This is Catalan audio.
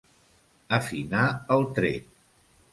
Afinar el tret.